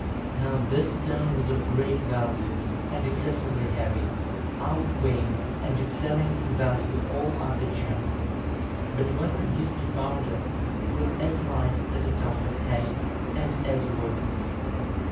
'" Now, this stone was of great value and excessively heavy, outweighing and excelling in value all other gems; but when reduced to powder, it was as light as a tuft of hay, and as worthless.